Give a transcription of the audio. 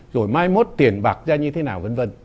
rồi mai mốt tiền bạc ra như thế nào v v